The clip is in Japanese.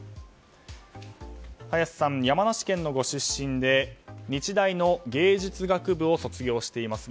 林さんは山梨県のご出身で日大の芸術学部を卒業しています。